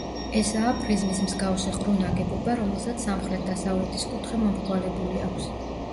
ესაა პრიზმის მსგავსი ყრუ ნაგებობა, რომელსაც სამხრეთ-დასავლეთის კუთხე მომრგვალებული აქვს.